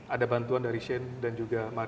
ada bantuan dari shane dan juga dari perempuan